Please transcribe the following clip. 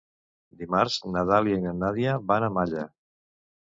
Dimarts na Dàlia i na Nàdia van a Malla.